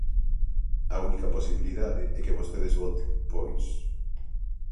A única posibilidade é que vostedes voten, pois.